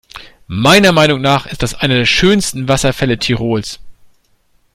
Meiner Meinung nach ist das einer der schönsten Wasserfälle Tirols.